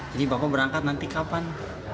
jadi bapak berangkat nanti kapan